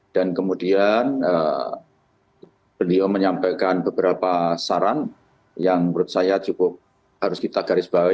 dan kemudian beliau menyampaikan beberapa saran yang menurut saya cukup harus kita garis bawah